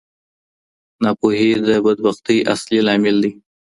ناپوهي د بدبختۍ اصلي لامل دی.